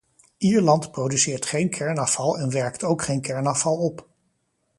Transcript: Ierland produceert geen kernafval en werkt ook geen kernafval op.